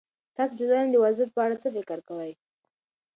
تاسو د ټولنې د وضعيت په اړه څه فکر کوئ؟